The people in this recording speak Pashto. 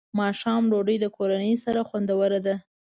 ماښام ډوډۍ د کورنۍ سره خوندوره ده.